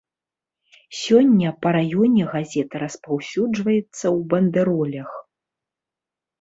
Сёння па раёне газета распаўсюджваецца ў бандэролях.